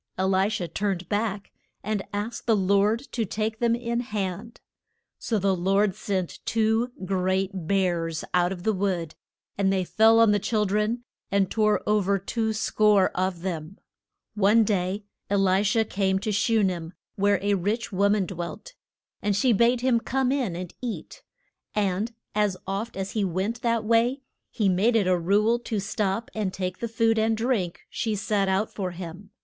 E li sha turned back, and asked the Lord to take them in hand. So the Lord sent two great bears out of the wood, and they fell on the chil dren and tore o ver two score of them. [Illustration: THE CHIL DREN OF BETH EL.] One day E li sha came to Shu nem, where a rich wo man dwelt. And she bade him come in and eat. And as oft as he went that way, he made it a rule to stop and take the food and drink she set out for him.